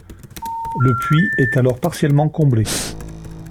Le puits est alors partiellement comblé.